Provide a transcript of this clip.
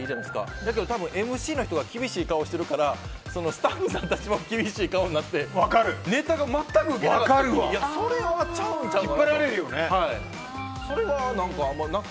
だけど、多分ＭＣの人が厳しい顔してるからスタッフさんたちも厳しい顔になってネタが全くウケない時があって。